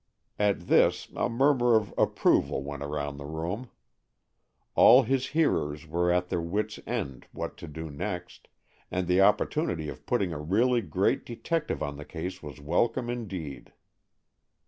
At this a murmur of approval went round the room. All his hearers were at their wits' end what to do next, and the opportunity of putting a really great detective on the case was welcome indeed.